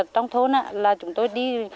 trong thôn là chúng tôi đi